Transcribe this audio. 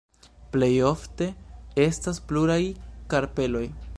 Plejofte, estas pluraj karpeloj.